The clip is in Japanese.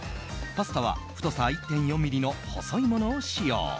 パスタは太さ１４ｍｍの細いものを使用。